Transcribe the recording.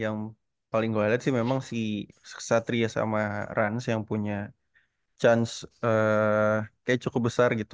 yang paling gue liat sih memang si ksatria sama ranz yang punya chance eh kayaknya cukup besar gitu